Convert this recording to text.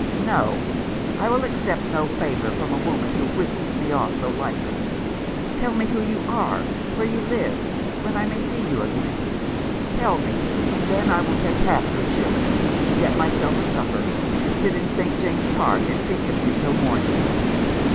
" No ; I will accept no favour from a woman who whistles me off so lightly. Tell me who you are — where you live — when I may see you again. Tell me, and then I will take half your shilling and get myself a supper, and sit in St. James's Park, and think of you till morning."